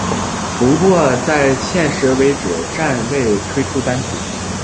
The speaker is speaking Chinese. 不过在现时为止暂未推出单曲。